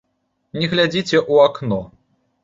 Не глядзіце ў акно.